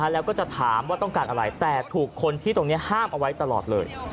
แล้วก็จะถามว่าต้องการอะไรแต่ถูกคนที่ตรงนี้ห้ามเอาไว้ตลอดเลย